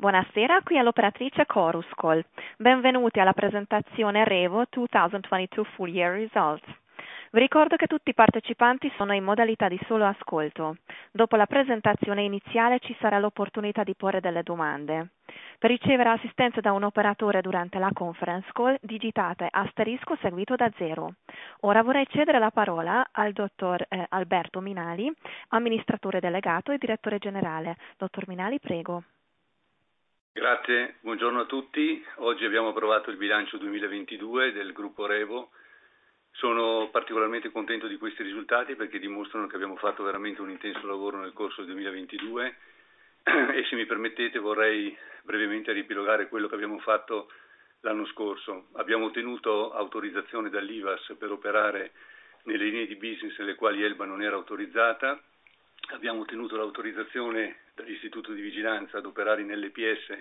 Buonasera, qui è l'operatrice Chorus Call. Benvenuti alla presentazione REVO 2022 full year results. Vi ricordo che tutti i partecipanti sono in modalità di solo ascolto. Dopo la presentazione iniziale ci sarà l'opportunità di porre delle domande. Per ricevere assistenza da un operatore durante la conference call digitate asterisco seguito da zero. Ora vorrei cedere la parola al Dottor Alberto Minali, Amministratore Delegato e Direttore Generale. Dottor Minali, prego. Grazie, buongiorno a tutti. Oggi abbiamo approvato il bilancio 2022 del gruppo REVO. Sono particolarmente contento di questi risultati perché dimostrano che abbiamo fatto veramente un intenso lavoro nel corso del 2022 e se mi permettete vorrei brevemente riepilogare quello che abbiamo fatto l'anno scorso. Abbiamo ottenuto autorizzazione dall'IVASS per operare nelle linee di business nelle quali Elba non era autorizzata. Abbiamo ottenuto l'autorizzazione dall'Istituto di Vigilanza ad operare in LPS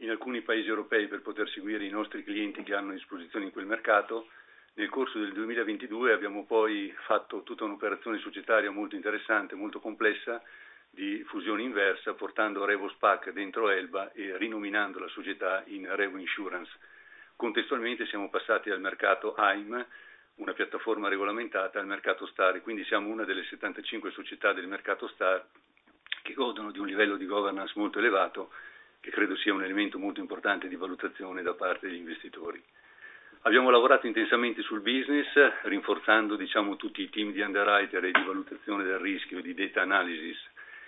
in alcuni paesi europei per poter seguire i nostri clienti che hanno esposizioni in quel mercato. Nel corso del 2022 abbiamo poi fatto tutta un'operazione societaria molto interessante, molto complessa di fusione inversa, portando REVO SPAC dentro Elba e rinominando la società in REVO Insurance. Contestualmente siamo passati dal mercato AIM, una piattaforma regolamentata, al mercato STAR, quindi siamo una delle 75 società del mercato STAR che godono di un livello di governance molto elevato, che credo sia un elemento molto importante di valutazione da parte degli investitori. Abbiamo lavorato intensamente sul business rinforzando, diciamo, tutti i team di underwriter e di valutazione del rischio e di data analysis,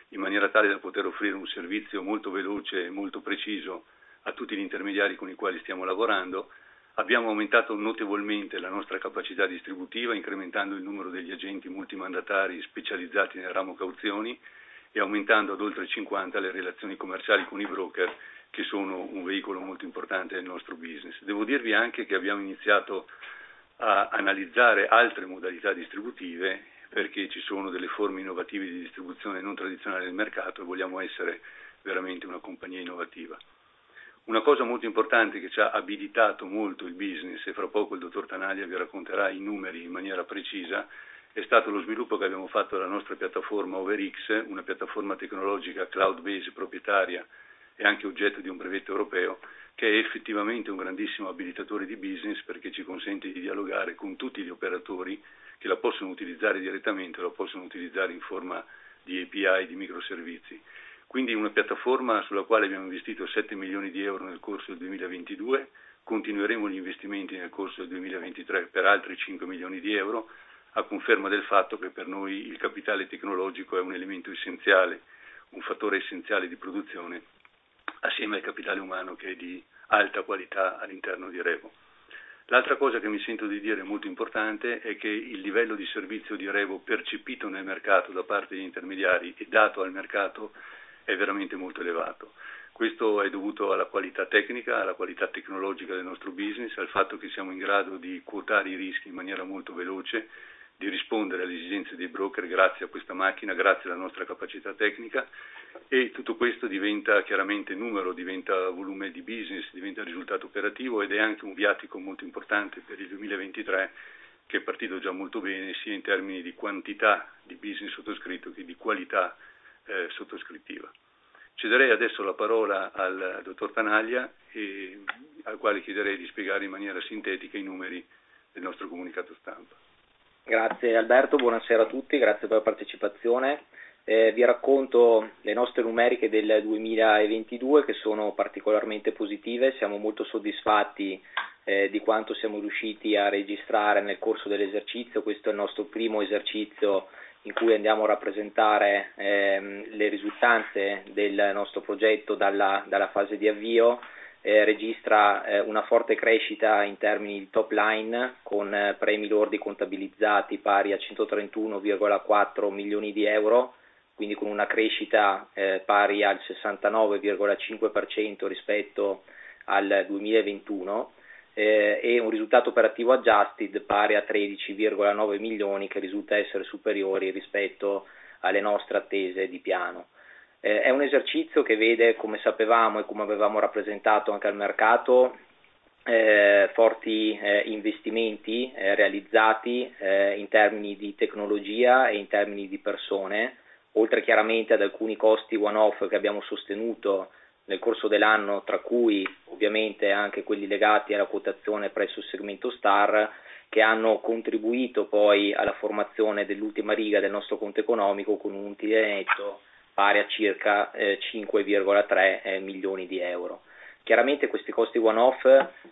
in maniera tale da poter offrire un servizio molto veloce e molto preciso a tutti gli intermediari con i quali stiamo lavorando. Abbiamo aumentato notevolmente la nostra capacità distributiva, incrementando il numero degli agenti multimandatari specializzati nel ramo cauzioni e aumentando ad oltre 50 le relazioni commerciali con i broker, che sono un veicolo molto importante del nostro business. Devo dirvi anche che abbiamo iniziato a analizzare altre modalità distributive perché ci sono delle forme innovative di distribuzione non tradizionale del mercato e vogliamo essere veramente una compagnia innovativa. Una cosa molto importante che ci ha abilitato molto il business, e fra poco il Dottor Tanaglia vi racconterà i numeri in maniera precisa, è stato lo sviluppo che abbiamo fatto della nostra piattaforma OVERX, una piattaforma tecnologica cloud-based proprietaria e anche oggetto di un brevetto europeo, che è effettivamente un grandissimo abilitatore di business perché ci consente di dialogare con tutti gli operatori che la possono utilizzare direttamente o la possono utilizzare in forma di API, di microservizi. Una piattaforma sulla quale abbiamo investito 7 million euro nel corso del 2022. Continueremo gli investimenti nel corso del 2023 per altri 5 million euro, a conferma del fatto che per noi il capitale tecnologico è un elemento essenziale, un fattore essenziale di produzione assieme al capitale umano che è di alta qualità all'interno di REVO. L'altra cosa che mi sento di dire molto importante è che il livello di servizio di REVO percepito nel mercato da parte degli intermediari e dato al mercato è veramente molto elevato. Questo è dovuto alla qualità tecnica, alla qualità tecnologica del nostro business, al fatto che siamo in grado di quotare i rischi in maniera molto veloce, di rispondere alle esigenze dei broker grazie a questa macchina, grazie alla nostra capacità tecnica. Tutto questo diventa chiaramente numero, diventa volume di business, diventa risultato operativo ed è anche un viatico molto importante per il 2023, che è partito già molto bene sia in termini di quantità di business sottoscritto che di qualità sottoscrittiva. Cederei adesso la parola al dottor Tanaglia, al quale chiederei di spiegare in maniera sintetica i numeri del nostro comunicato stampa. Grazie Alberto, buonasera a tutti, grazie per la partecipazione. Vi racconto le nostre numeriche del 2022 che sono particolarmente positive. Siamo molto soddisfatti di quanto siamo riusciti a registrare nel corso dell'esercizio. Questo è il nostro primo esercizio in cui andiamo a rappresentare le risultante del nostro progetto dalla fase di avvio. Registra una forte crescita in termini di top line con premi lordi contabilizzati pari a 131.4 million euro, quindi con una crescita pari al 69.5% rispetto al 2021 e un risultato operativo adjusted pari a 13.9 million che risulta essere superiori rispetto alle nostre attese di piano. È un esercizio che vede, come sapevamo e come avevamo rappresentato anche al mercato, forti investimenti realizzati in termini di tecnologia e in termini di persone, oltre chiaramente ad alcuni costi one-off che abbiamo sostenuto nel corso dell'anno, tra cui ovviamente anche quelli legati alla quotazione presso il segmento STAR, che hanno contribuito poi alla formazione dell'ultima riga del nostro conto economico con un utile netto pari a circa 5.3 million euro. Chiaramente questi costi one-off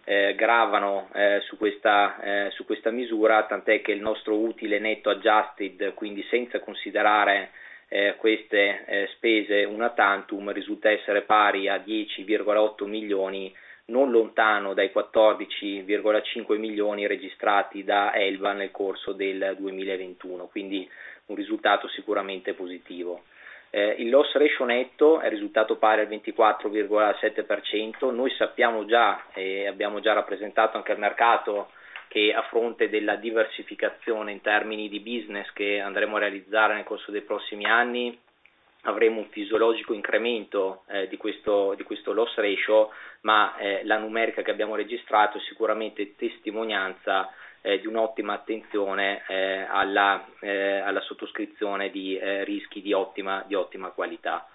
gravano su questa su questa misura, tant'è che il nostro utile netto adjusted, quindi senza considerare queste spese una tantum, risulta essere pari a 10.8 million, non lontano dai 14.5 million registrati da Elba nel corso del 2021. Un risultato sicuramente positivo. Il loss ratio netto è risultato pari al 24.7%. Noi sappiamo già, e abbiamo già rappresentato anche al mercato, che a fronte della diversificazione in termini di business che andremo a realizzare nel corso dei prossimi anni, avremo un fisiologico incremento di questo loss ratio, ma la numerica che abbiamo registrato è sicuramente testimonianza di un'ottima attenzione alla sottoscrizione di rischi di ottima qualità.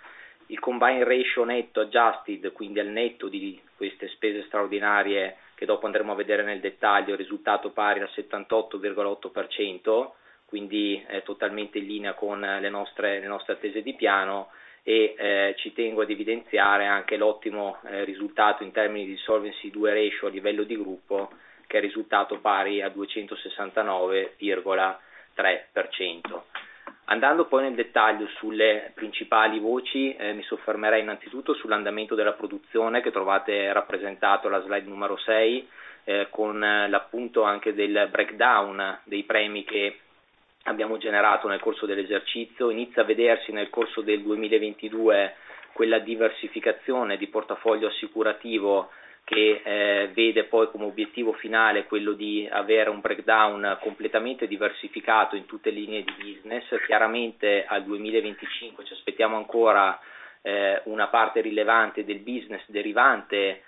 Il combined ratio netto adjusted, quindi al netto di queste spese straordinarie che dopo andremo a vedere nel dettaglio, risultato pari al 78.8%, quindi totalmente in linea con le nostre attese di piano e ci tengo ad evidenziare anche l'ottimo risultato in termini di Solvency II ratio a livello di gruppo, che è risultato pari a 269.3%. Poi nel dettaglio sulle principali voci, mi soffermerei innanzitutto sull'andamento della produzione che trovate rappresentato alla slide 6, con l'appunto anche del breakdown dei premi che abbiamo generato nel corso dell'esercizio. Inizia a vedersi nel corso del 2022 quella diversificazione di portafoglio assicurativo che vede poi come obiettivo finale quello di avere un breakdown completamente diversificato in tutte le linee di business. Chiaramente al 2025 ci aspettiamo ancora una parte rilevante del business derivante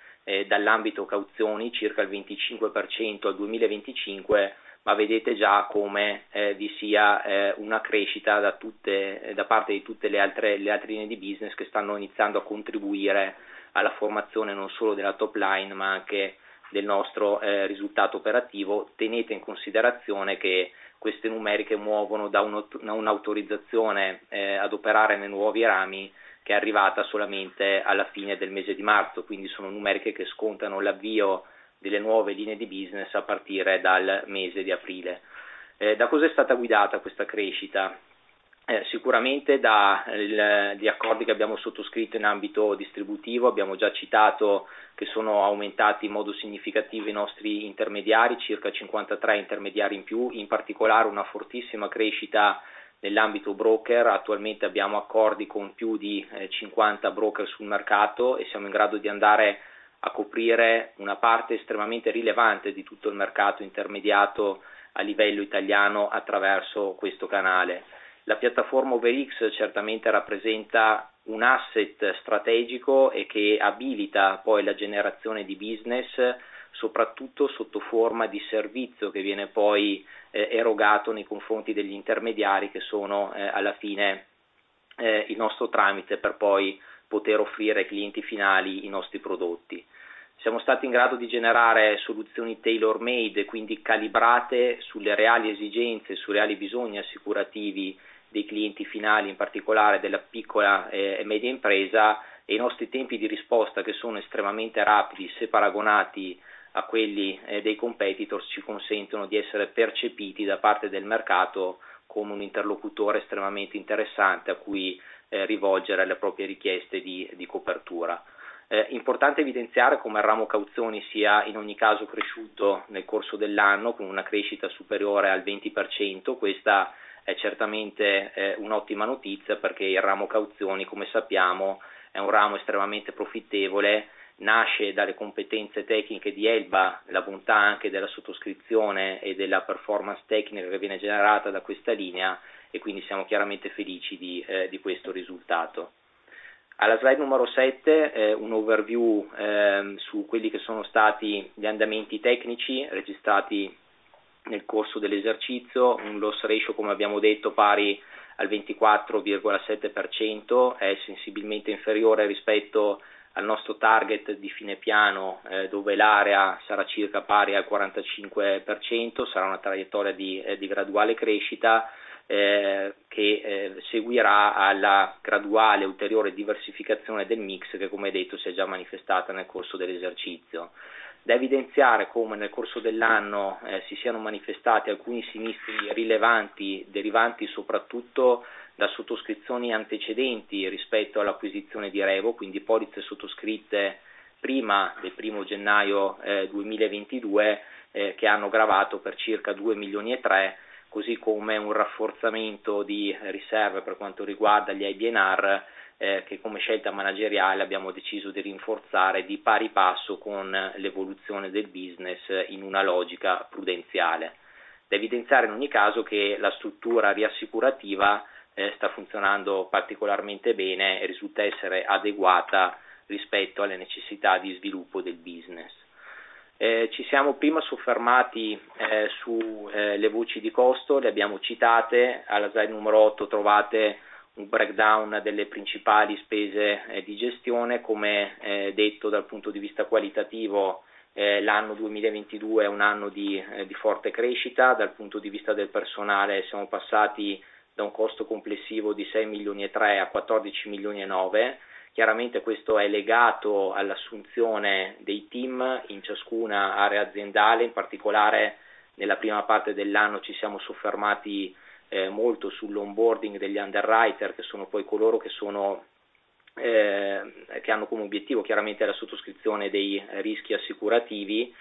dall'ambito cauzioni, circa il 25% al 2025, ma vedete già come vi sia una crescita da parte di tutte le altre, le altre linee di business che stanno iniziando a contribuire alla formazione non solo della top line ma anche del nostro risultato operativo. Tenete in considerazione che queste numeriche muovono da un'autorizzazione ad operare nei nuovi rami che è arrivata solamente alla fine del mese di March, sono numeriche che scontano l'avvio delle nuove linee di business a partire dal mese di April. Da cosa è stata guidata questa crescita? Sicuramente da gli accordi che abbiamo sottoscritto in ambito distributivo. Abbiamo già citato che sono aumentati in modo significativo i nostri intermediari, circa 53 intermediari in più, in particolare una fortissima crescita nell'ambito broker. Attualmente abbiamo accordi con più di 50 broker sul mercato e siamo in grado di andare a coprire una parte estremamente rilevante di tutto il mercato intermediato a livello italiano attraverso questo canale. La piattaforma OVERX certamente rappresenta un asset strategico che abilita poi la generazione di business, soprattutto sotto forma di servizio che viene poi erogato nei confronti degli intermediari che sono alla fine il nostro tramite per poi poter offrire ai clienti finali i nostri prodotti. Siamo stati in grado di generare soluzioni tailor-made, quindi calibrate sulle reali esigenze, sui reali bisogni assicurativi dei clienti finali, in particolare della piccola e media impresa, i nostri tempi di risposta, che sono estremamente rapidi se paragonati a quelli dei competitors, ci consentono di essere percepiti da parte del mercato come un interlocutore estremamente interessante a cui rivolgere le proprie richieste di copertura. È importante evidenziare come il ramo cauzioni sia in ogni caso cresciuto nel corso dell'anno con una crescita superiore al 20%. Questa è certamente un'ottima notizia perché il ramo cauzioni, come sappiamo, è un ramo estremamente profittevole. Nasce dalle competenze tecniche di Elba, la bontà anche della sottoscrizione e della performance tecnica che viene generata da questa linea quindi siamo chiaramente felici di questo risultato. Alla slide numero 7 un overview su quelli che sono stati gli andamenti tecnici registrati nel corso dell'esercizio. Un loss ratio, come abbiamo detto, pari al 24.7% è sensibilmente inferiore rispetto al nostro target di fine piano, dove l'area sarà circa pari al 45%, sarà una traiettoria di graduale crescita che seguirà alla graduale ulteriore diversificazione del mix che, come detto, si è già manifestata nel corso dell'esercizio. Da evidenziare come nel corso dell'anno si siano manifestati alcuni sinistri rilevanti derivanti soprattutto da sottoscrizioni antecedenti rispetto all'acquisizione di REVO, quindi polizze sottoscritte prima del January 1, 2022, che hanno gravato per circa 2.3 million, così come un rafforzamento di riserve per quanto riguarda gli IBNR, che come scelta manageriale abbiamo deciso di rinforzare di pari passo con l'evoluzione del business in una logica prudenziale. Da evidenziare, in ogni caso, che la struttura riassicurativa sta funzionando particolarmente bene e risulta essere adeguata rispetto alle necessità di sviluppo del business. Ci siamo prima soffermati su le voci di costo, le abbiamo citate. Alla slide numero 8 trovate un breakdown delle principali spese di gestione. Come detto dal punto di vista qualitativo, l'anno 2022 è un anno di forte crescita. Dal punto di vista del personale siamo passati da un costo complessivo di 6.3 million a 14.9 million. Chiaramente questo è legato all'assunzione dei team in ciascuna area aziendale, in particolare nella prima parte dell'anno ci siamo soffermati molto sull'onboarding degli underwriter, che sono poi coloro che hanno come obiettivo chiaramente la sottoscrizione dei rischi assicurativi,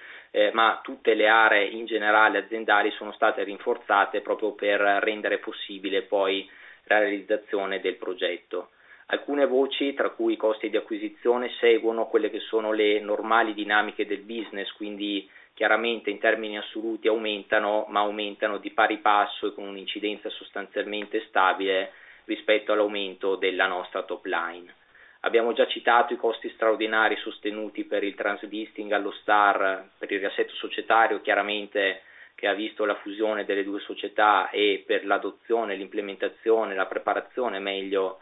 ma tutte le aree in generale aziendali sono state rinforzate proprio per rendere possibile poi la realizzazione del progetto. Alcune voci, tra cui i costi di acquisizione, seguono quelle che sono le normali dinamiche del business, quindi chiaramente in termini assoluti aumentano, ma aumentano di pari passo e con un'incidenza sostanzialmente stabile rispetto all'aumento della nostra top line. Abbiamo già citato i costi straordinari sostenuti per il translisting allo STAR per il riassetto societario, che ha visto la fusione delle due società e per l'adozione, l'implementazione, la preparazione meglio,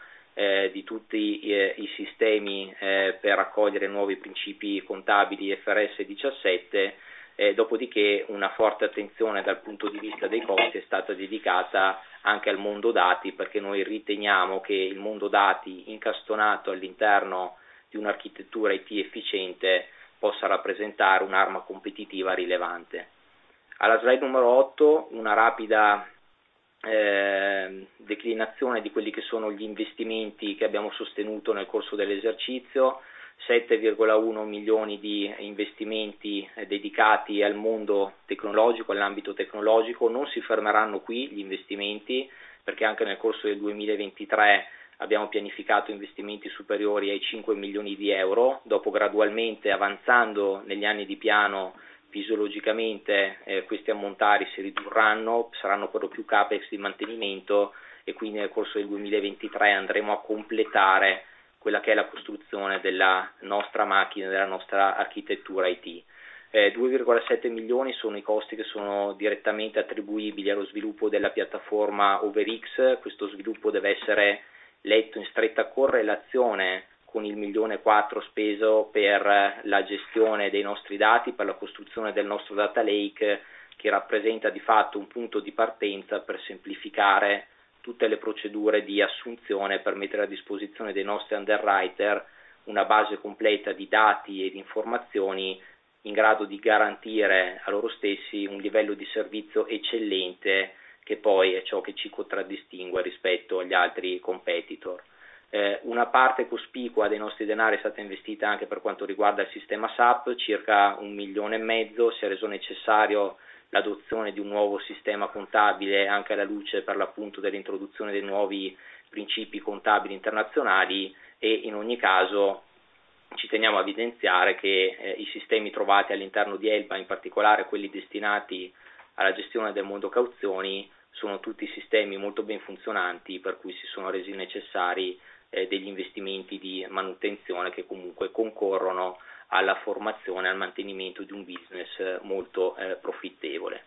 di tutti i sistemi per accogliere nuovi principi contabili IFRS 17. Dopodiché una forte attenzione dal punto di vista dei costi è stata dedicata anche al mondo dati, perché noi riteniamo che il mondo dati incastonato all'interno di un'architettura IT efficiente possa rappresentare un'arma competitiva rilevante. Alla slide numero 8 una rapida declinazione di quelli che sono gli investimenti che abbiamo sostenuto nel corso dell'esercizio: 7.1 million di investimenti dedicati al mondo tecnologico, all'ambito tecnologico. Non si fermeranno qui gli investimenti, perché anche nel corso del 2023 abbiamo pianificato investimenti superiori ai 5 million euro. Dopo gradualmente avanzando negli anni di piano fisiologicamente, questi ammontari si ridurranno, saranno però più CapEx di mantenimento e quindi nel corso del 2023 andremo a completare quella che è la costruzione della nostra macchina, della nostra architettura IT. 2.7 million sono i costi che sono direttamente attribuibili allo sviluppo della piattaforma OVERX. Questo sviluppo deve essere letto in stretta correlazione con il 1.4 million speso per la gestione dei nostri dati, per la costruzione del nostro data lake, che rappresenta di fatto un punto di partenza per semplificare tutte le procedure di assunzione, per mettere a disposizione dei nostri underwriter una base completa di dati e di informazioni in grado di garantire a loro stessi un livello di servizio eccellente, che poi è ciò che ci contraddistingue rispetto agli altri competitor. Una parte cospicua dei nostri denari è stata investita anche per quanto riguarda il sistema SAP, circa 1.5 million. Si è reso necessario l'adozione di un nuovo sistema contabile anche alla luce, per l'appunto, dell'introduzione dei nuovi principi contabili internazionali e in ogni caso ci teniamo a evidenziare che i sistemi trovati all'interno di Elba, in particolare quelli destinati alla gestione del mondo cauzioni, sono tutti sistemi molto ben funzionanti per cui si sono resi necessari degli investimenti di manutenzione che comunque concorrono alla formazione e al mantenimento di un business molto profittevole.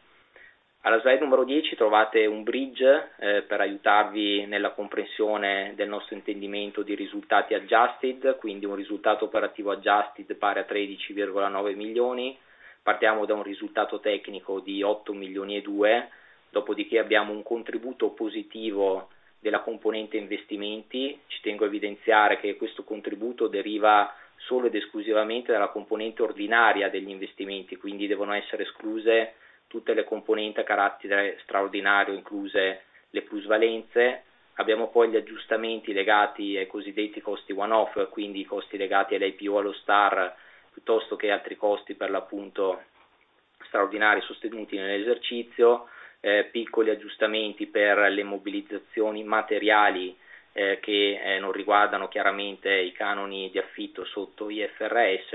Alla slide numero 10 trovate un bridge per aiutarvi nella comprensione del nostro intendimento di risultati adjusted, quindi un risultato operativo adjusted pari a 13.9 million. Partiamo da un risultato tecnico di 8.2 million, dopodiché abbiamo un contributo positivo della componente investimenti. Ci tengo a evidenziare che questo contributo deriva solo ed esclusivamente dalla componente ordinaria degli investimenti, devono essere escluse tutte le componenti a carattere straordinario, incluse le plusvalenze. Abbiamo poi gli aggiustamenti legati ai cosiddetti costi one-off, quindi i costi legati all'IPO, allo STAR, piuttosto che altri costi per l'appunto straordinari sostenuti nell'esercizio, piccoli aggiustamenti per le mobilizzazioni materiali, che non riguardano chiaramente i canoni di affitto sotto IFRS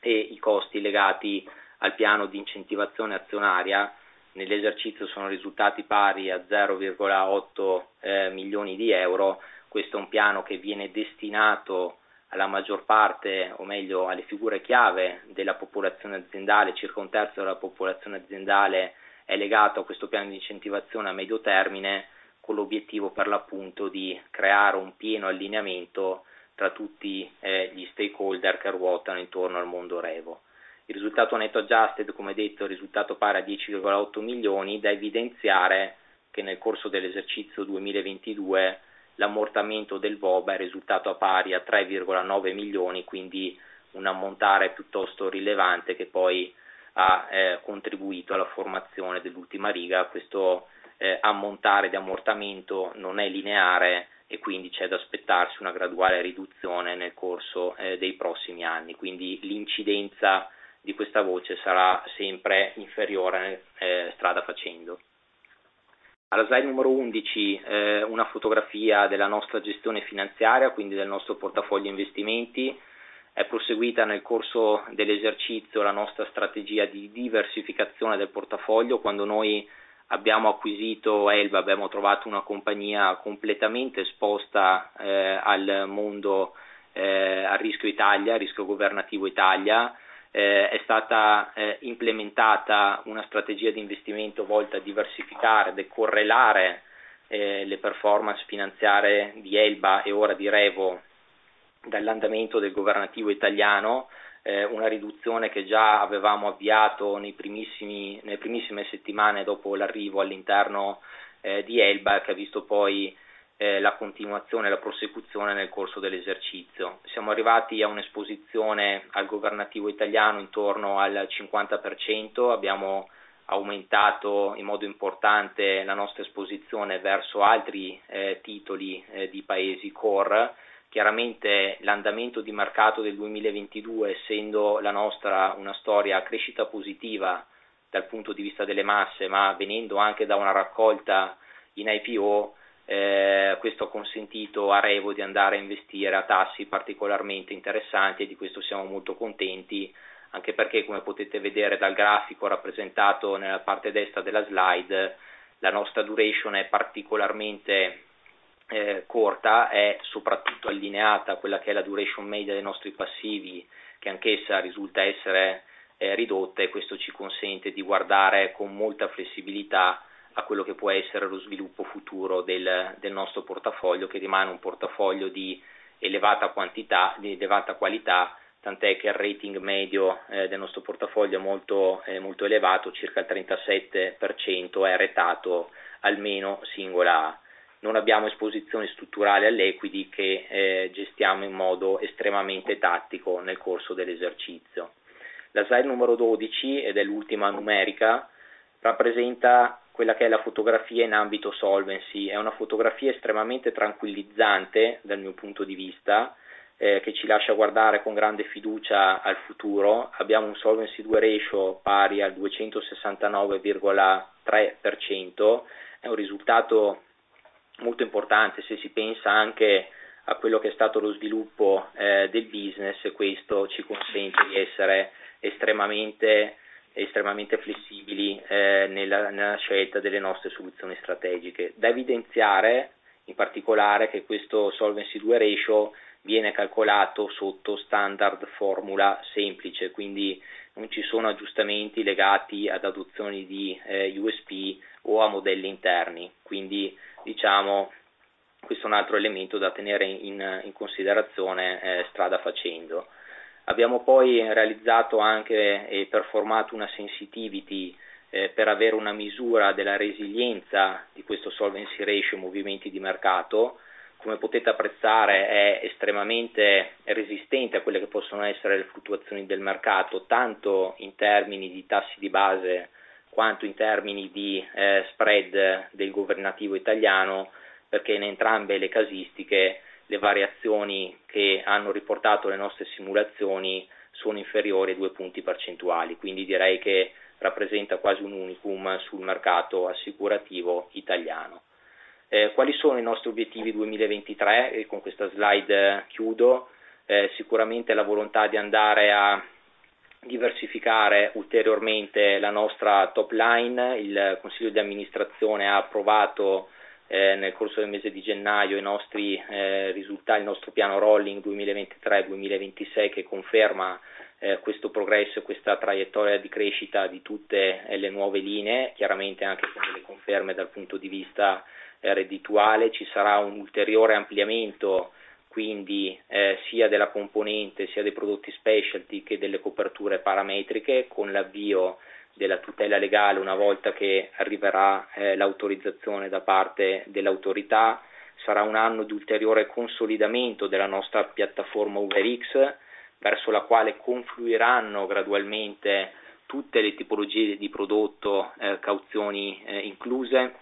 e i costi legati al piano di incentivazione azionaria. Nell'esercizio sono risultati pari a 0.8 million euro. Questo è un piano che viene destinato alla maggior parte, o meglio, alle figure chiave della popolazione aziendale. Circa un terzo della popolazione aziendale è legato a questo piano di incentivazione a medio termine, con l'obiettivo per l'appunto di creare un pieno allineamento tra tutti gli stakeholder che ruotano intorno al mondo REVO. Il risultato netto adjusted, come detto, è risultato pari a 10.8 million. Da evidenziare che nel corso dell'esercizio 2022 l'ammortamento del VOBA è risultato pari a 3.9 million, quindi un ammontare piuttosto rilevante che poi ha contribuito alla formazione dell'ultima riga. Questo ammontare di ammortamento non è lineare e quindi c'è da aspettarsi una graduale riduzione nel corso dei prossimi anni. Quindi l'incidenza di questa voce sarà sempre inferiore strada facendo. Alla slide numero 11, una fotografia della nostra gestione finanziaria, quindi del nostro portafoglio investimenti. È proseguita nel corso dell'esercizio la nostra strategia di diversificazione del portafoglio. Quando noi abbiamo acquisito Elba abbiamo trovato una compagnia completamente esposta al mondo, a rischio Italy, a rischio governativo Italy. È stata implementata una strategia di investimento volta a diversificare, decorrelare le performance finanziarie di Elba e ora di REVO dall'andamento del governativo italiano. Una riduzione che già avevamo avviato nelle primissime settimane dopo l'arrivo all'interno di Elba, che ha visto poi la continuazione e la prosecuzione nel corso dell'esercizio. Siamo arrivati a un'esposizione al governativo italiano intorno al 50%. Abbiamo aumentato in modo importante la nostra esposizione verso altri titoli di paesi core. Chiaramente l'andamento di mercato del 2022, essendo la nostra una storia a crescita positiva dal punto di vista delle masse, ma venendo anche da una raccolta in IPO, questo ha consentito a REVO di andare a investire a tassi particolarmente interessanti e di questo siamo molto contenti, anche perché, come potete vedere dal grafico rappresentato nella parte destra della slide, la nostra duration è particolarmente corta e soprattutto allineata a quella che è la duration media dei nostri passivi, che anch'essa risulta essere ridotta e questo ci consente di guardare con molta flessibilità a quello che può essere lo sviluppo futuro del nostro portafoglio, che rimane un portafoglio di elevata quantità, di elevata qualità, tant'è che il rating medio del nostro portafoglio è molto, è molto elevato, circa il 37% è ratato almeno single A. Non abbiamo esposizione strutturale all'equity che gestiamo in modo estremamente tattico nel corso dell'esercizio. La slide numero 12, ed è l'ultima numerica, rappresenta quella che è la fotografia in ambito Solvency. È una fotografia estremamente tranquillizzante dal mio punto di vista, che ci lascia guardare con grande fiducia al futuro. Abbiamo un Solvency II ratio pari al 269.3%. È un risultato molto importante se si pensa anche a quello che è stato lo sviluppo del business e questo ci consente di essere estremamente flessibili nella scelta delle nostre soluzioni strategiche. Da evidenziare, in particolare, che questo Solvency II ratio viene calcolato sotto standard formula semplice, non ci sono aggiustamenti legati ad adozioni di USP o a modelli interni. Diciamo, questo è un altro elemento da tenere in considerazione strada facendo. Abbiamo poi realizzato anche e performato una sensitivity per avere una misura della resilienza di questo solvency ratio in movimenti di mercato. Potete apprezzare è estremamente resistente a quelle che possono essere le fluttuazioni del mercato, tanto in termini di tassi di base quanto in termini di spread del governativo italiano, perché in entrambe le casistiche le variazioni che hanno riportato le nostre simulazioni sono inferiori ai 2 punti percentuali. Direi che rappresenta quasi un unicum sul mercato assicurativo italiano. Quali sono i nostri obiettivi 2023? Con questa slide chiudo. Sicuramente la volontà di andare a diversificare ulteriormente la nostra top line. Il consiglio di amministrazione ha approvato nel corso del mese di gennaio i nostri risultati, il nostro piano rolling 2023-2026 che conferma questo progresso e questa traiettoria di crescita di tutte le nuove linee, chiaramente anche con delle conferme dal punto di vista reddituale. Ci sarà un ulteriore ampliamento quindi sia della componente sia dei prodotti specialty che delle coperture parametriche con l'avvio della tutela legale una volta che arriverà l'autorizzazione da parte dell'autorità. Sarà un anno di ulteriore consolidamento della nostra piattaforma OVERX, verso la quale confluiranno gradualmente tutte le tipologie di prodotto, cauzioni incluse.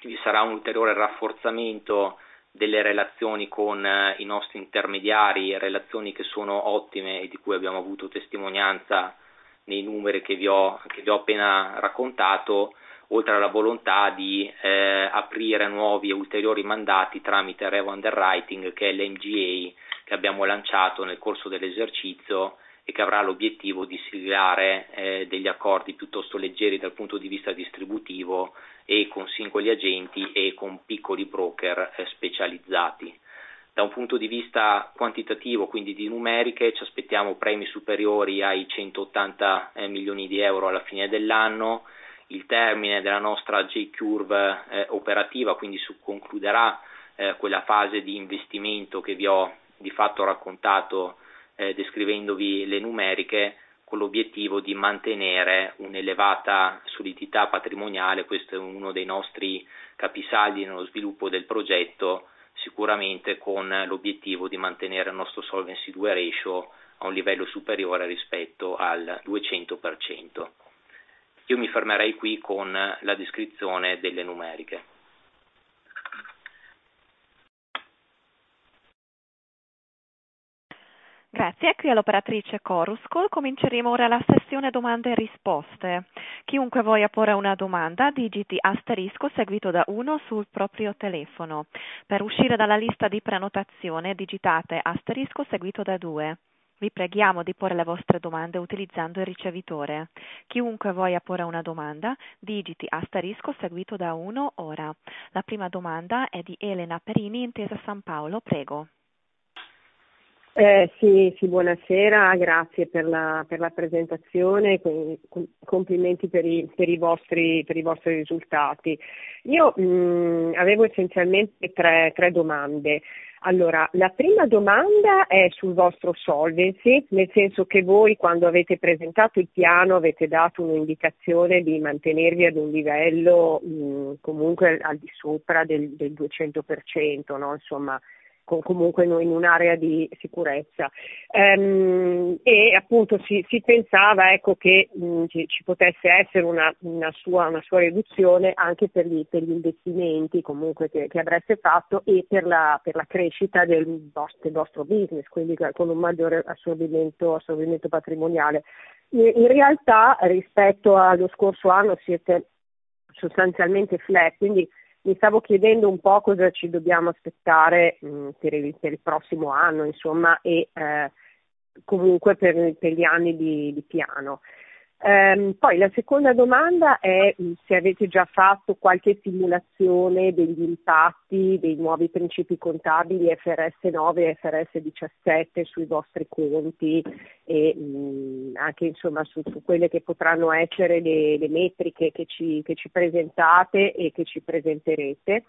Ci sarà un ulteriore rafforzamento delle relazioni con i nostri intermediari, relazioni che sono ottime e di cui abbiamo avuto testimonianza nei numeri che vi ho, che vi ho appena raccontato, oltre alla volontà di aprire a nuovi ulteriori mandati tramite Revo Underwriting che è l'MGA che abbiamo lanciato nel corso dell'esercizio e che avrà l'obiettivo di siglare degli accordi piuttosto leggeri dal punto di vista distributivo e con singoli agenti e con piccoli broker specializzati. Da un punto di vista quantitativo, quindi di numeriche, ci aspettiamo premi superiori ai 180 million euro alla fine dell'anno. Il termine della nostra J-curve operativa, quindi si concluderà quella fase di investimento che vi ho di fatto raccontato descrivendovi le numeriche con l'obiettivo di mantenere un'elevata solidità patrimoniale. Questo è uno dei nostri capisaldi nello sviluppo del progetto, sicuramente con l'obiettivo di mantenere il nostro Solvency II ratio a un livello superiore rispetto al 200%. Io mi fermerei qui con la descrizione delle numeriche. Grazie. Qui è l'operatrice Chorus Call. Cominceremo ora la sessione domande e risposte. Chiunque voglia porre una domanda digiti asterisco seguito da uno sul proprio telefono. Per uscire dalla lista di prenotazione digitate asterisco seguito da due. Vi preghiamo di porre le vostre domande utilizzando il ricevitore. Chiunque voglia porre una domanda digiti asterisco seguito da uno ora. La prima domanda è di Elena Perini, Intesa Sanpaolo. Prego. Sì, sì, buonasera, grazie per la presentazione, complimenti per i vostri risultati. Io, avevo essenzialmente tre domande. La prima domanda è sul vostro solvency, nel senso che voi quando avete presentato il piano avete dato un'indicazione di mantenervi ad un livello comunque al di sopra del 200%, no insomma, con comunque in un'area di sicurezza. E appunto si pensava ecco che ci potesse essere una sua riduzione anche per gli investimenti comunque che avreste fatto e per la crescita del vostro business, quindi con un maggior assorbimento patrimoniale. In realtà, rispetto allo scorso anno siete sostanzialmente flat, quindi mi stavo chiedendo un po' cosa ci dobbiamo aspettare per il prossimo anno insomma e Comunque per gli anni di piano. La seconda domanda è se avete già fatto qualche simulazione degli impatti dei nuovi principi contabili IFRS 9 e IFRS 17 sui vostri conti e anche insomma su quelle che potranno essere le metriche che ci presentate e che ci presenterete.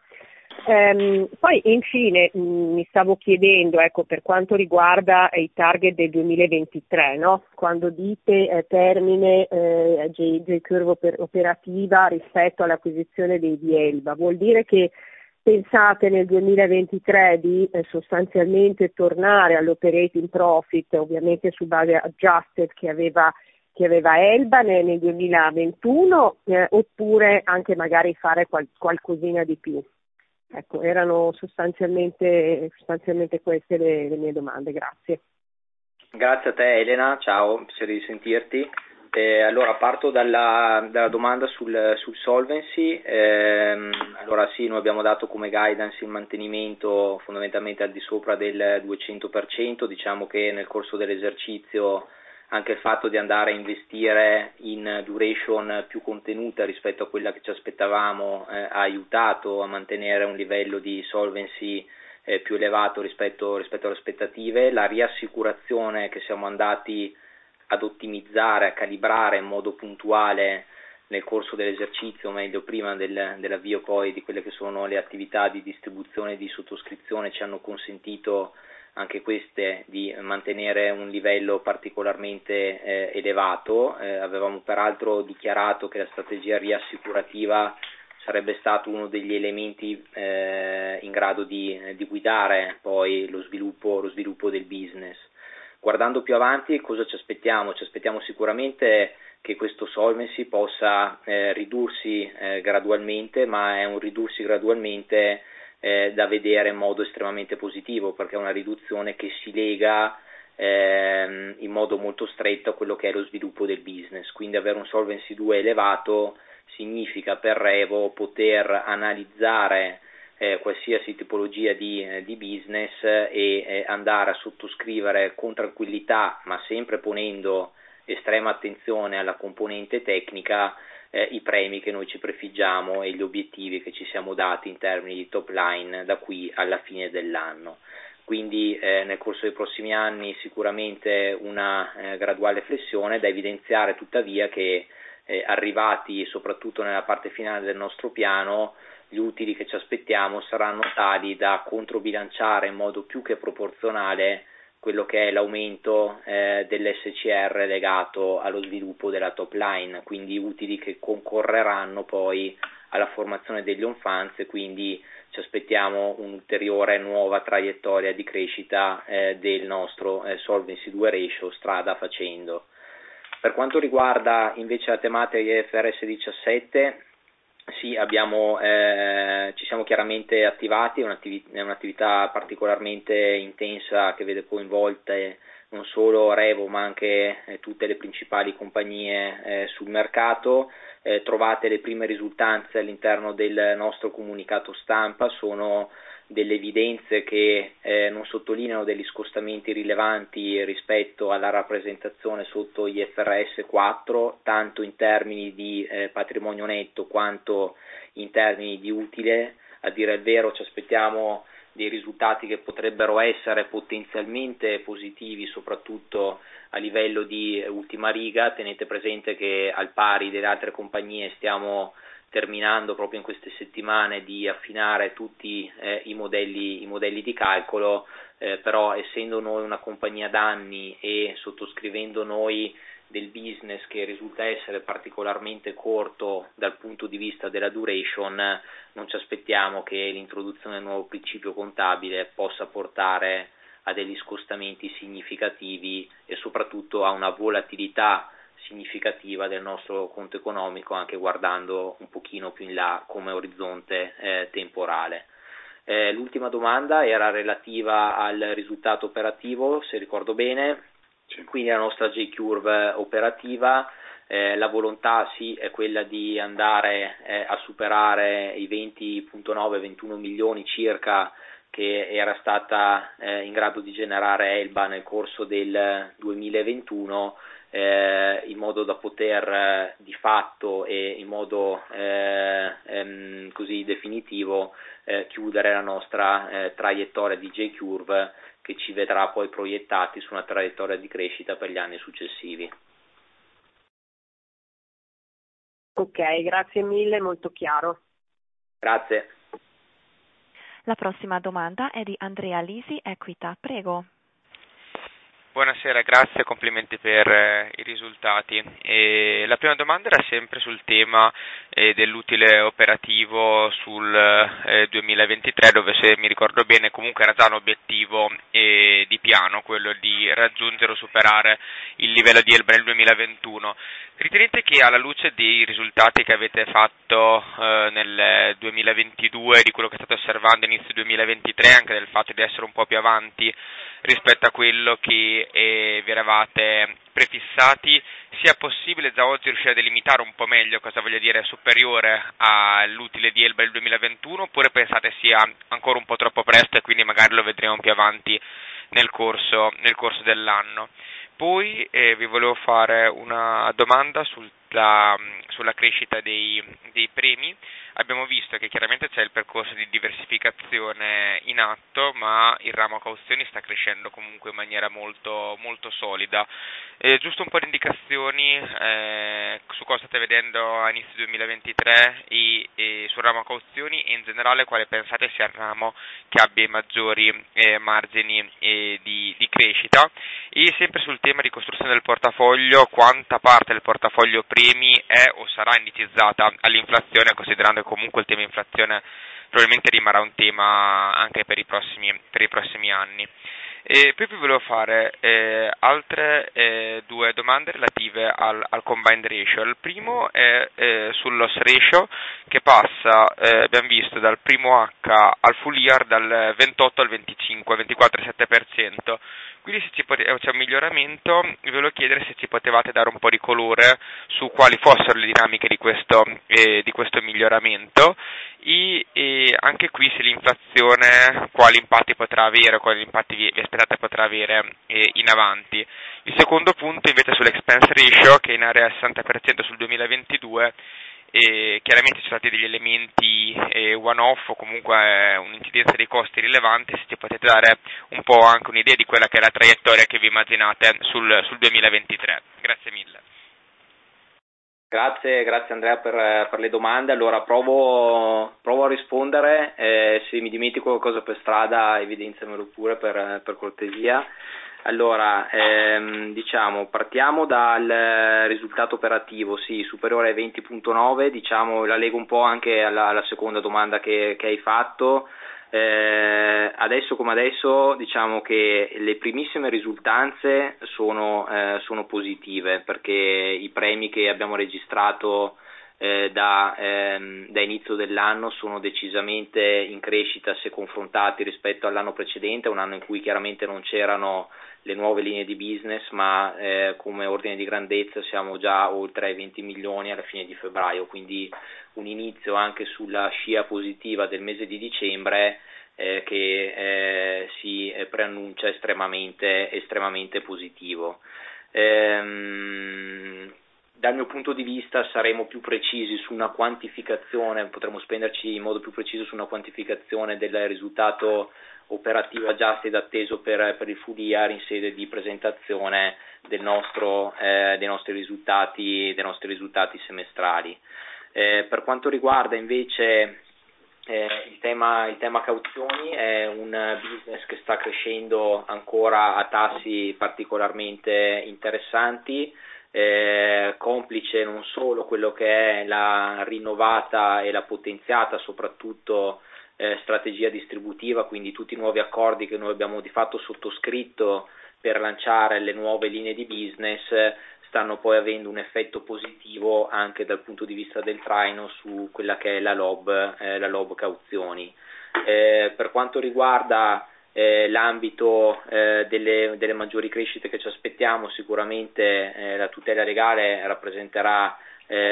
Infine, mi stavo chiedendo, ecco, per quanto riguarda i target del 2023, no? Quando dite termine J curve operativa rispetto all'acquisizione di Elba, vuol dire che pensate nel 2023 di sostanzialmente tornare all'operating profit, ovviamente su base adjusted che aveva Elba nel 2021, oppure anche magari fare qualcosina di più? Ecco, erano sostanzialmente queste le mie domande. Grazie. Grazie a te Elena, ciao, piacere di sentirti. Allora parto dalla domanda sul solvency. Sì, noi abbiamo dato come guidance il mantenimento fondamentalmente al di sopra del 200%. Diciamo che nel corso dell'esercizio anche il fatto di andare a investire in duration più contenuta rispetto a quella che ci aspettavamo, ha aiutato a mantenere un livello di solvency più elevato rispetto alle aspettative. La riassicurazione che siamo andati ad ottimizzare, a calibrare in modo puntuale nel corso dell'esercizio, o meglio prima dell'avvio poi di quelle che sono le attività di distribuzione e di sottoscrizione, ci hanno consentito anche queste di mantenere un livello particolarmente elevato. Avevamo peraltro dichiarato che la strategia riassicurativa sarebbe stato uno degli elementi in grado di guidare poi lo sviluppo del business. Guardando più avanti, cosa ci aspettiamo? Ci aspettiamo sicuramente che questo Solvency II possa ridursi gradualmente, ma è un ridursi gradualmente da vedere in modo estremamente positivo, perché è una riduzione che si lega in modo molto stretto a quello che è lo sviluppo del business. Quindi avere un Solvency II elevato significa per REVO poter analizzare qualsiasi tipologia di business e andare a sottoscrivere con tranquillità, ma sempre ponendo estrema attenzione alla componente tecnica, i premi che noi ci prefiggiamo e gli obiettivi che ci siamo dati in termini di top line da qui alla fine dell'anno. Quindi nel corso dei prossimi anni sicuramente una graduale flessione. Da evidenziare tuttavia che, arrivati soprattutto nella parte finale del nostro piano, gli utili che ci aspettiamo saranno tali da controbilanciare in modo più che proporzionale quello che è l'aumento dell'SCR legato allo sviluppo della top line, quindi utili che concorreranno poi alla formazione degli Own funds e quindi ci aspettiamo un'ulteriore nuova traiettoria di crescita del nostro Solvency II ratio strada facendo. Per quanto riguarda invece la tematica IFRS 17, sì, abbiamo, ci siamo chiaramente attivati. È un'attività particolarmente intensa che vede coinvolte non solo REVO, ma anche tutte le principali compagnie sul mercato. Trovate le prime risultanze all'interno del nostro comunicato stampa. Sono delle evidenze che non sottolineano degli scostamenti rilevanti rispetto alla rappresentazione sotto IFRS 4, tanto in termini di patrimonio netto quanto in termini di utile. A dire il vero ci aspettiamo dei risultati che potrebbero essere potenzialmente positivi, soprattutto a livello di ultima riga. Tenete presente che, al pari delle altre compagnie, stiamo terminando proprio in queste settimane di affinare tutti i modelli di calcolo. Però essendo noi una compagnia danni e sottoscrivendo noi del business che risulta essere particolarmente corto dal punto di vista della duration, non ci aspettiamo che l'introduzione del nuovo principio contabile possa portare a degli scostamenti significativi e soprattutto a una volatilità significativa del nostro conto economico, anche guardando un pochino più in là come orizzonte temporale. L'ultima domanda era relativa al risultato operativo, se ricordo bene, quindi alla nostra J-curve operativa. La volontà è quella di andare a superare i 20.9 million-21 million circa che era stata in grado di generare Elba nel corso del 2021, in modo da poter di fatto e in modo così definitivo, chiudere la nostra traiettoria di J-curve che ci vedrà poi proiettati su una traiettoria di crescita per gli anni successivi. Ok, grazie mille, molto chiaro. Grazie. La prossima domanda è di Andrea Lisi, EQUITA. Prego. Buonasera, grazie, complimenti per i risultati. La prima domanda era sempre sul tema dell'utile operativo sul 2023, dove se mi ricordo bene comunque era già un obiettivo di piano, quello di raggiungere o superare il livello di Elba del 2021. Ritenete che alla luce dei risultati che avete fatto nel 2022, di quello che state osservando a inizio 2023, anche del fatto di essere un po' più avanti rispetto a quello che vi eravate prefissati, sia possibile già oggi riuscire a delimitare un po' meglio cosa voglio dire superiore all'utile di Elba del 2021? Oppure pensate sia ancora un po' troppo. E quindi magari lo vedremo più avanti nel corso dell'anno. Vi volevo fare una domanda sulla crescita dei premi. Abbiamo visto che chiaramente c'è il percorso di diversificazione in atto, il ramo cauzioni sta crescendo comunque in maniera molto solida. Giusto un po' di indicazioni su cosa state vedendo a inizio 2023 e sul ramo cauzioni e in generale quale pensate sia il ramo che abbia i maggiori margini di crescita. Sempre sul tema ricostruzione del portafoglio, quanta parte del portafoglio premi è o sarà indicizzata all'inflazione, considerando comunque il tema inflazione probabilmente rimarrà un tema anche per i prossimi, per i prossimi anni. Poi vi volevo fare altre due domande relative al combined ratio. Il primo è sul loss ratio che passa, abbiam visto dal 1H al full year dal 28% al 25%, 24.7%. Se c'è un miglioramento, vi volevo chiedere se ci potevate dare un po' di colore su quali fossero le dinamiche di questo, di questo miglioramento e, anche qui se l'inflazione quali impatti potrà avere, quali impatti vi aspettate potrà avere, in avanti. Il secondo punto invece sull'expense ratio che è in area 60% sul 2022. Chiaramente ci sono stati degli elementi, one-off o comunque un'incidenza dei costi rilevanti, se ci potete dare un po' anche un'idea di quella che è la traiettoria che vi immaginate sul 2023. Grazie mille. Grazie, grazie Andrea per le domande. Provo a rispondere. Se mi dimentico qualcosa per strada evidenziamelo pure per cortesia. Diciamo partiamo dal risultato operativo, sì, superiore ai 20.9, diciamo, la lego un po' anche alla seconda domanda che hai fatto. Adesso come adesso diciamo che le primissime risultanze sono positive perché i premi che abbiamo registrato da inizio dell'anno sono decisamente in crescita se confrontati rispetto all'anno precedente, un anno in cui chiaramente non c'erano le nuove linee di business, ma come ordine di grandezza siamo già oltre ai 20 million alla fine di febbraio. Un inizio anche sulla scia positiva del mese di dicembre che si preannuncia estremamente positivo. Dal mio punto di vista saremo più precisi su una quantificazione, potremmo spenderci in modo più preciso su una quantificazione del risultato operativo aggiustato ed atteso per il full year in sede di presentazione del nostro dei nostri risultati, dei nostri risultati semestrali. Per quanto riguarda invece il tema, il tema cauzioni è un business che sta crescendo ancora a tassi particolarmente interessanti, complice non solo quello che è la rinnovata e la potenziata, soprattutto, strategia distributiva, quindi tutti i nuovi accordi che noi abbiamo di fatto sottoscritto per lanciare le nuove linee di business stanno poi avendo un effetto positivo anche dal punto di vista del traino su quella che è la LoB, la LoB cauzioni. Per quanto riguarda l'ambito delle maggiori crescite che ci aspettiamo, sicuramente la tutela legale rappresenterà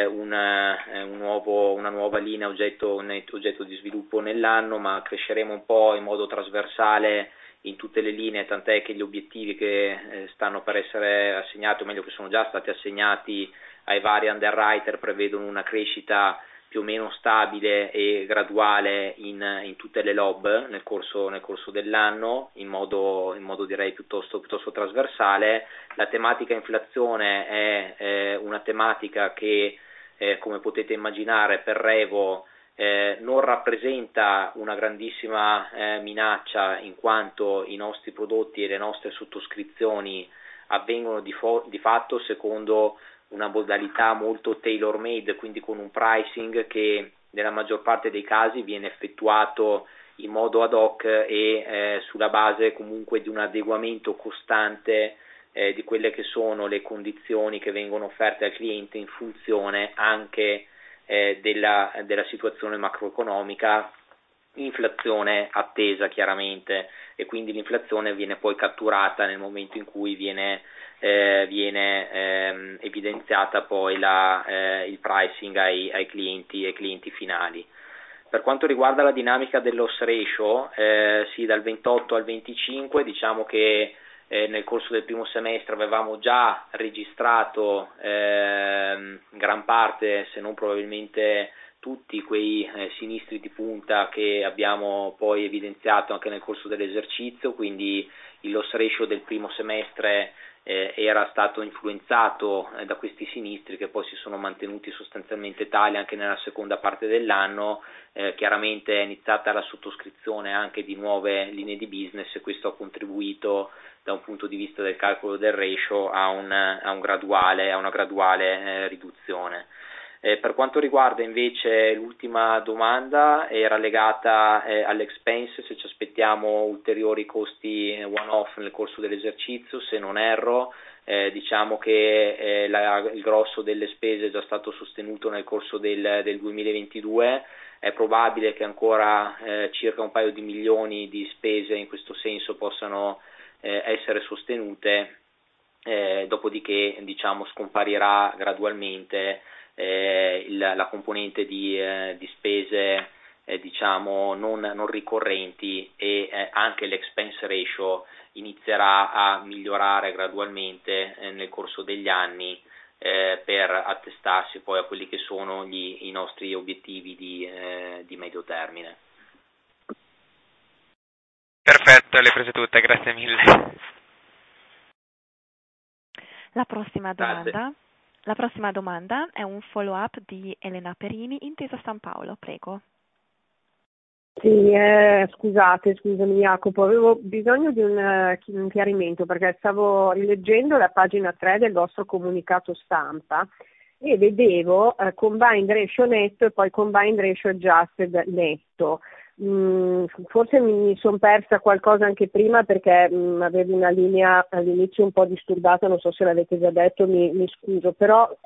una nuova linea oggetto, netto oggetto di sviluppo nell'anno, ma cresceremo un po' in modo trasversale in tutte le linee, tant'è che gli obiettivi che stanno per essere assegnati, o meglio che sono già stati assegnati ai vari underwriter, prevedono una crescita più o meno stabile e graduale in tutte le LoB nel corso dell'anno, in modo direi piuttosto trasversale. La tematica inflazione è una tematica che, come potete immaginare, per REVO non rappresenta una grandissima minaccia in quanto i nostri prodotti e le nostre sottoscrizioni avvengono di fatto secondo una modalità molto tailor-made, quindi con un pricing che nella maggior parte dei casi viene effettuato in modo ad hoc e sulla base comunque di un adeguamento costante di quelle che sono le condizioni che vengono offerte al cliente in funzione anche della situazione macroeconomica, inflazione attesa chiaramente. Quindi l'inflazione viene poi catturata nel momento in cui viene evidenziata poi il pricing ai clienti, ai clienti finali. Per quanto riguarda la dinamica del loss ratio, sì, dal 28% al 25%, diciamo che nel corso del primo semestre avevamo già registrato gran parte, se non probabilmente tutti quei sinistri di punta che abbiamo poi evidenziato anche nel corso dell'esercizio. Il loss ratio del primo semestre era stato influenzato da questi sinistri che poi si sono mantenuti sostanzialmente tali anche nella seconda parte dell'anno. Chiaramente è iniziata la sottoscrizione anche di nuove linee di business e questo ha contribuito da un punto di vista del calcolo del ratio a una graduale riduzione. Per quanto riguarda invece l'ultima domanda era legata all'expense, se ci aspettiamo ulteriori costi one-off nel corso dell'esercizio. Diciamo che il grosso delle spese è già stato sostenuto nel corso del 2022. È probabile che ancora, circa 2 million di spese in questo senso possano essere sostenute. Dopodiché, diciamo, scomparirà gradualmente la componente di spese, diciamo, non ricorrenti e anche l'expense ratio inizierà a migliorare gradualmente nel corso degli anni, per attestarsi poi a quelli che sono i nostri obiettivi di medio termine. Perfetto, le ho prese tutte. Grazie mille. La prossima domanda. Grazie. La prossima domanda è un follow up di Elena Perini, Intesa Sanpaolo. Prego. Sì, scusate, scusami Jacopo, avevo bisogno di un chiarimento perché stavo rileggendo la pagina three del vostro comunicato stampa e vedevo combined ratio netto e poi combined ratio adjusted netto. Forse mi son persa qualcosa anche prima perché, avevi una linea all'inizio un po' disturbata, non so se l'avete già detto, mi scuso.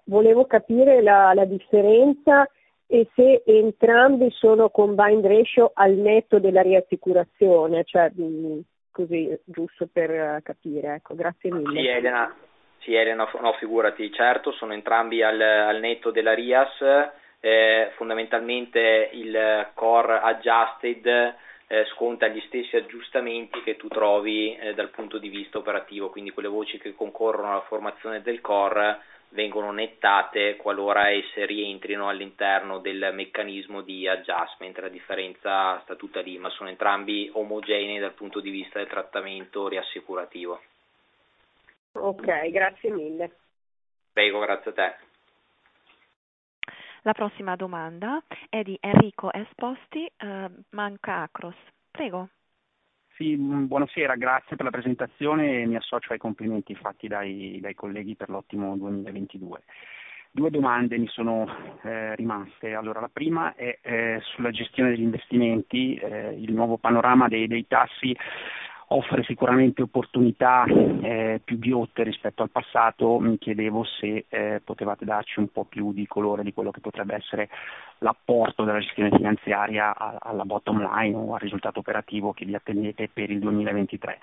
Volevo capire la differenza e se entrambi sono combined ratio al netto della riassicurazione, cioè, così giusto per capire, ecco. Grazie mille. Sì, Elena. Sono entrambi al netto della RIAS. Fondamentalmente il core adjusted sconta gli stessi aggiustamenti che tu trovi dal punto di vista operativo, quindi quelle voci che concorrono alla formazione del core vengono nettate qualora esse rientrino all'interno del meccanismo di adjustment. La differenza sta tutta lì. Sono entrambi omogenei dal punto di vista del trattamento riassicurativo. Ok, grazie mille. Prego, grazie a te. La prossima domanda è di Enrico Esposti, Banca Akros. Prego. Sì, buonasera, grazie per la presentazione e mi associo ai complimenti fatti dai colleghi per l'ottimo 2022. Due domande mi sono rimaste. La prima è sulla gestione degli investimenti. Il nuovo panorama dei tassi offre sicuramente opportunità più ghiotte rispetto al passato. Mi chiedevo se potevate darci un po' più di colore di quello che potrebbe essere l'apporto della gestione finanziaria alla bottom line o al risultato operativo che vi attendete per il 2023.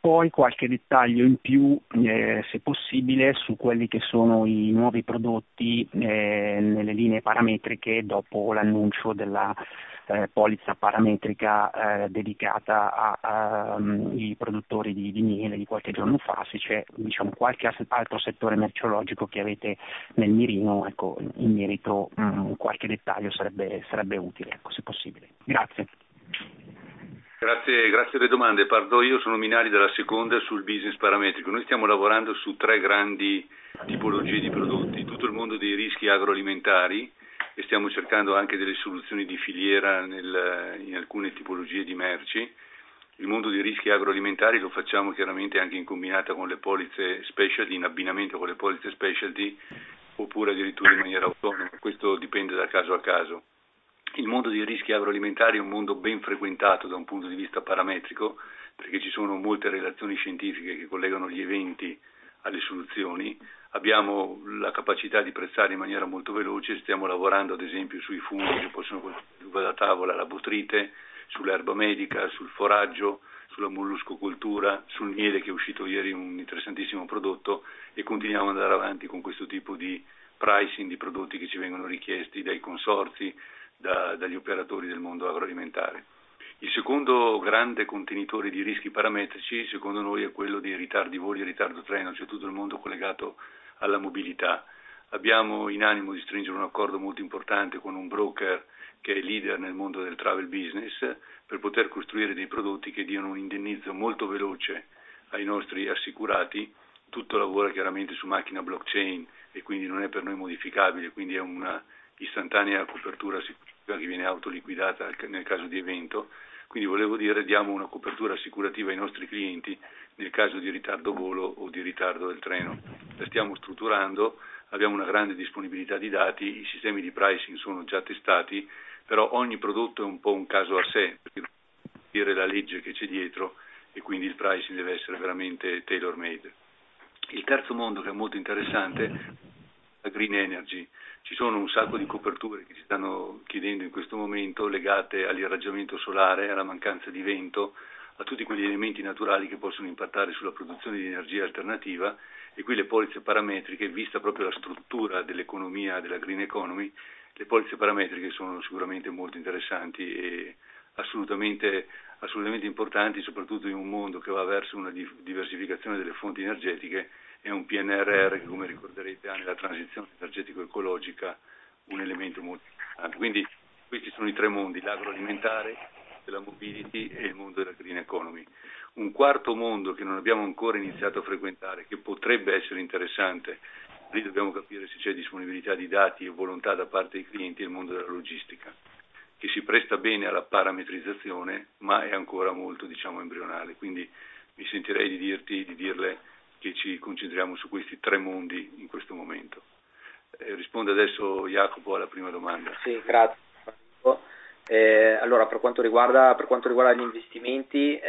Poi qualche dettaglio in più, se possibile, su quelli che sono i nuovi prodotti nelle linee parametriche dopo l'annuncio della polizza parametrica dedicata ai produttori di miele di qualche giorno fa, se c'è qualche altro settore merceologico che avete nel mirino, in merito qualche dettaglio sarebbe utile, se possibile. Grazie. Grazie, grazie delle domande. Parto io, sono Minali, dalla seconda sul business parametrico. Noi stiamo lavorando su tre grandi tipologie di prodotti: tutto il mondo dei rischi agroalimentari e stiamo cercando anche delle soluzioni di filiera in alcune tipologie di merci. Il mondo dei rischi agroalimentari lo facciamo chiaramente anche in combinata con le polizze specialty, in abbinamento con le polizze specialty, oppure addirittura in maniera autonoma. Questo dipende da caso a caso. Il mondo dei rischi agroalimentari è un mondo ben frequentato da un punto di vista parametrico, perché ci sono molte relazioni scientifiche che collegano gli eventi alle soluzioni. Abbiamo la capacità di prezzare in maniera molto veloce. Stiamo lavorando ad esempio sui funghi che possono la tavola la botrytis, sull'erba medica, sul foraggio, sulla molluscoltura, sul miele che è uscito ieri un interessantissimo prodotto e continuiamo ad andare avanti con questo tipo di pricing di prodotti che ci vengono richiesti dai consorzi, dagli operatori del mondo agroalimentare. Il secondo grande contenitore di rischi parametrici, secondo noi, è quello dei ritardi voli e ritardo treno, cioè tutto il mondo collegato alla mobilità. Abbiamo in animo di stringere un accordo molto importante con un broker che è leader nel mondo del travel business per poter costruire dei prodotti che diano un indennizzo molto veloce ai nostri assicurati. Tutto lavora chiaramente su macchina blockchain e quindi non è per noi modificabile, quindi è una istantanea copertura che viene autoliquidata nel caso di evento. Volevo dire: diamo una copertura assicurativa ai nostri clienti nel caso di ritardo volo o di ritardo del treno. La stiamo strutturando, abbiamo una grande disponibilità di dati, i sistemi di pricing sono già testati, però ogni prodotto è un po' un caso a sé, perché Sì, grazie. Per quanto riguarda, per quanto riguarda gli investimenti,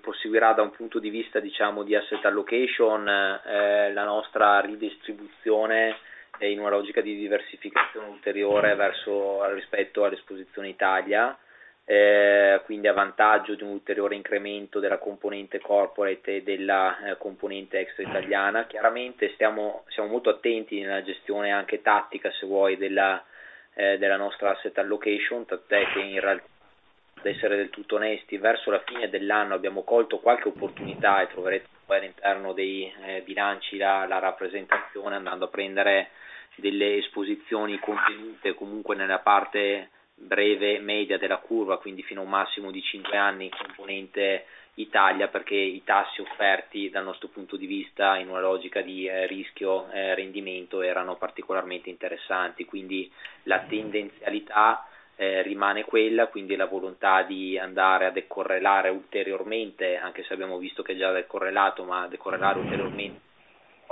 proseguirà da un punto di vista, diciamo, di asset allocation, La nostra ridistribuzione è in una logica di diversificazione ulteriore verso rispetto all'esposizione Italia, quindi a vantaggio di un ulteriore incremento della componente corporate e della componente extra italiana. Chiaramente stiamo, siamo molto attenti nella gestione anche tattica se vuoi, della nostra asset allocation, tant'è che ad essere del tutto onesti verso la fine dell'anno abbiamo colto qualche opportunità e troverete poi all'interno dei bilanci la rappresentazione andando a prendere delle esposizioni contenute comunque nella parte breve media della curva, quindi fino a un massimo di 5 anni in componente Italia, perché i tassi offerti dal nostro punto di vista in una logica di rischio-rendimento erano particolarmente interessanti. La tendenzialità rimane quella, quindi la volontà di andare a decorrelare ulteriormente, anche se abbiamo visto che è già decorrelato, ma a decorrelare ulteriormente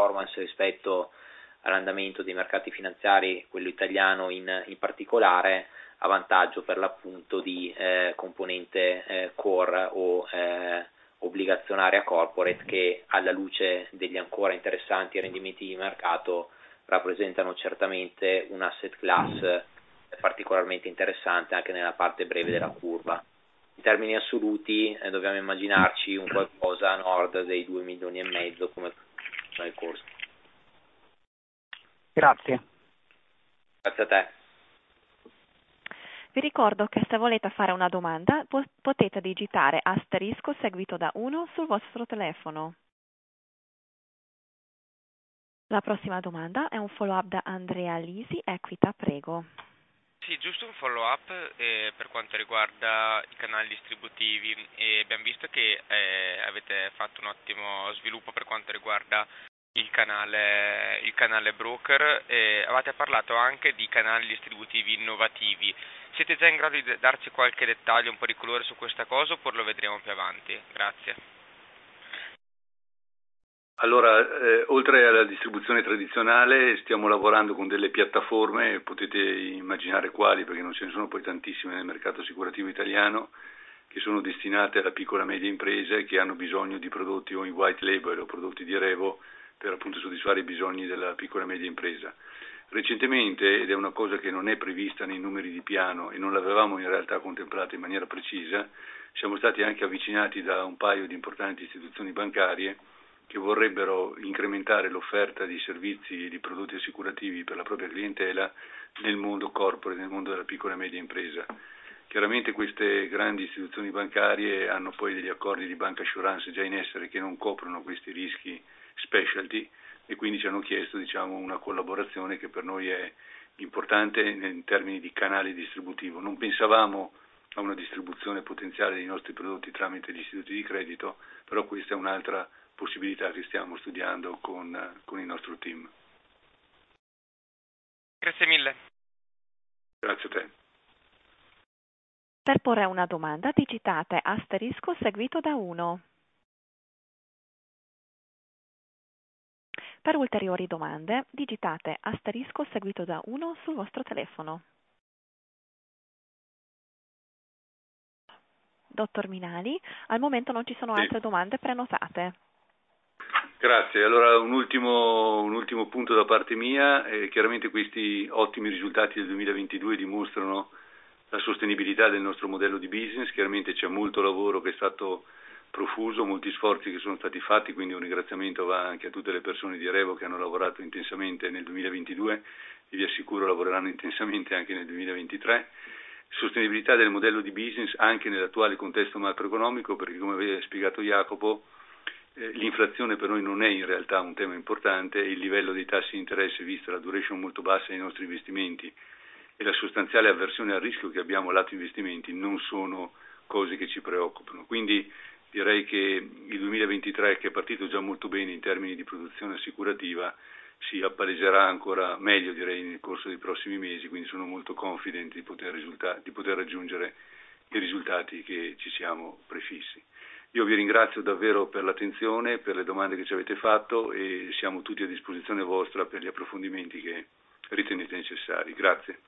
performance rispetto all'andamento dei mercati finanziari, quello italiano in particolare, a vantaggio per l'appunto di componente core o obbligazionaria corporate che alla luce degli ancora interessanti rendimenti di mercato rappresentano certamente un asset class particolarmente interessante anche nella parte breve della curva. In termini assoluti dobbiamo immaginarci un qualcosa a nord di 2.5 million come nel corso. Grazie. Grazie a te. Vi ricordo che se volete fare una domanda potete digitare asterisco seguito da 1 sul vostro telefono. La prossima domanda è un follow up da Andrea Lisi, EQUITA. Prego. Sì, giusto un follow up, per quanto riguarda i canali distributivi. Abbiamo visto che avete fatto un ottimo sviluppo per quanto riguarda il canale, il canale broker. Avevate parlato anche di canali distributivi innovativi. Siete già in grado di darci qualche dettaglio, un po' di colore su questa cosa o lo vedremo più avanti? Grazie. Oltre alla distribuzione tradizionale stiamo lavorando con delle piattaforme, potete immaginare quali, perché non ce ne sono poi tantissime nel mercato assicurativo italiano, che sono destinate alla piccola e media impresa e che hanno bisogno di prodotti o in white label o prodotti di REVO per appunto soddisfare i bisogni della piccola e media impresa. Recentemente, una cosa che non è prevista nei numeri di piano e non l'avevamo in realtà contemplata in maniera precisa, siamo stati anche avvicinati da un paio di importanti istituzioni bancarie che vorrebbero incrementare l'offerta di servizi e di prodotti assicurativi per la propria clientela nel mondo corporate, nel mondo della piccola e media impresa. Chiaramente queste grandi istituzioni bancarie hanno poi degli accordi di bancassurance già in essere che non coprono questi rischi specialty e quindi ci hanno chiesto, diciamo, una collaborazione che per noi è importante in termini di canale distributivo. Non pensavamo a una distribuzione potenziale dei nostri prodotti tramite gli istituti di credito, però questa è un'altra possibilità che stiamo studiando con il nostro team. Grazie mille. Grazie a te. Per porre una domanda digitate asterisk seguito da uno. Per ulteriori domande digitate asterisk seguito da uno sul vostro telefono. Dottor Minali, al momento non ci sono altre domande prenotate. Grazie. Un ultimo punto da parte mia. Questi ottimi risultati del 2022 dimostrano la sostenibilità del nostro modello di business. C'è molto lavoro che è stato profuso, molti sforzi che sono stati fatti, quindi un ringraziamento va anche a tutte le persone di REVO che hanno lavorato intensamente nel 2022 e vi assicuro lavoreranno intensamente anche nel 2023. Sostenibilità del modello di business anche nell'attuale contesto macroeconomico, come aveva spiegato Jacopo, l'inflazione per noi non è in realtà un tema importante, il livello dei tassi di interesse, vista la duration molto bassa dei nostri investimenti e la sostanziale avversione al rischio che abbiamo lato investimenti, non sono cose che ci preoccupano. Direi che il 2023, che è partito già molto bene in termini di produzione assicurativa, si appaleserà ancora meglio, direi, nel corso dei prossimi mesi, quindi sono molto confident di poter raggiungere i risultati che ci siamo prefissi. Vi ringrazio davvero per l'attenzione, per le domande che ci avete fatto e siamo tutti a disposizione vostra per gli approfondimenti che ritenete necessari. Grazie.